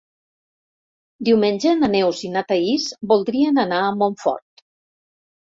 Diumenge na Neus i na Thaís voldrien anar a Montfort.